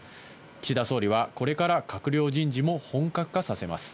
岸田総理は、これから閣僚人事も本格化させます。